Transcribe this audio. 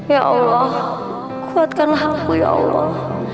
ya allah kuatkan hatiku ya allah